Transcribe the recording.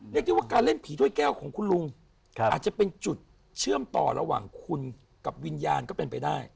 เรียกได้ว่าการเล่นผีถ้วยแก้วของคุณลุงอาจจะเป็นจุดเชื่อมต่อระหว่างคุณกับวิญญาณก็เป็นไปได้